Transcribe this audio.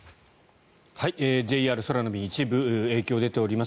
ＪＲ、空の便一部影響が出ています。